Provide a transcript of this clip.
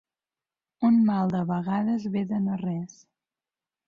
Un mal de vegades ve de no res.